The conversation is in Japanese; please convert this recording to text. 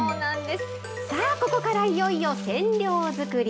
さあ、ここからいよいよ染料作り。